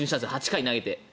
８回を投げて。